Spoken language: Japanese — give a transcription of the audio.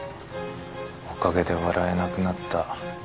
おかげで笑えなくなった。